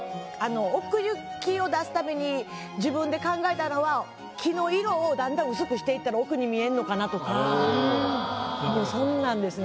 奥行きを出すために自分で考えたのは木の色をだんだん薄くしていったら奥に見えんのかなとかもうそんなんですね。